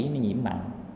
nó nhiễm mặn